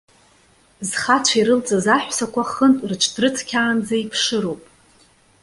Зхацәа ирылҵыз аҳәсақәа хынтә рҽыдрыцқьаанӡа иԥшыроуп.